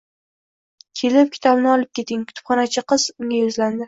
Kelib, kitobni olib keting, kutubxonachi qiz unga yuzlandi